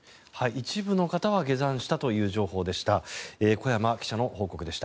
一部の方は下山したという情報でした。